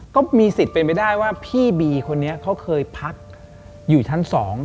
ก็มีสิทธิ์เป็นไปได้ว่าพี่บีคนนี้เขาเคยพักอยู่ชั้น๒